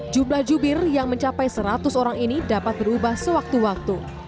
jumlah jubir yang mencapai seratus orang ini dapat berubah sewaktu waktu